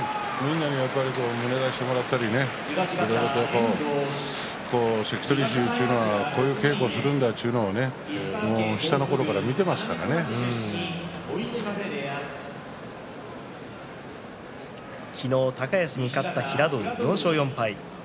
みんなに胸を出してもらったり関取衆というのはこういう稽古をするんだというのを昨日高安に勝った平戸海４勝４敗。